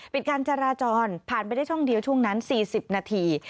การจราจรผ่านไปได้ช่องเดียวช่วงนั้น๔๐นาที